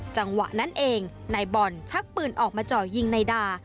จังหวะนั้นเองนายบอลชักปืนออกมาจ่อยิงนายดา